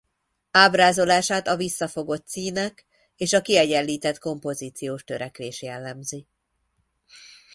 Ábrázolását a visszafogott színek és a kiegyenlített kompozíciós törekvés jellemzi.